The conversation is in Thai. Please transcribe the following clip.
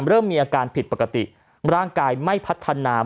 เริ่มมีอาการผิดปกติร่างกายไม่พัฒนา